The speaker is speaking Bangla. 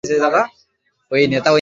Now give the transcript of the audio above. শুনে ওরা দুজনে অবাক হয়ে গেল।